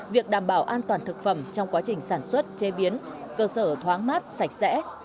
việc đảm bảo an toàn thực phẩm trong quá trình sản xuất chế biến cơ sở thoáng mát sạch sẽ